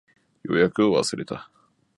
予約を忘れた